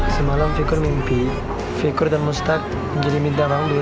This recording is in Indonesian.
semalam fikur mimpi fikur dan mustahak menjadi minta bangdut